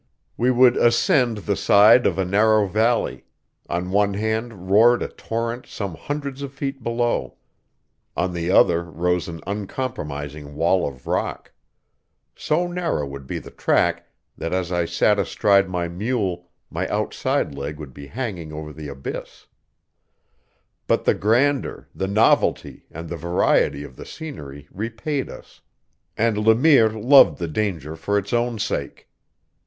We would ascend the side of a narrow valley; on one hand roared a torrent some hundreds of feet below; on the other rose an uncompromising wall of rock. So narrow would be the track that as I sat astride my mule my outside leg would be hanging over the abyss. But the grandeur, the novelty, and the variety of the scenery repaid us; and Le Mire loved the danger for its own sake.